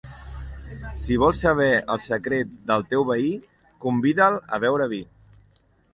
Si vols saber el secret del teu veí, convida'l a beure vi.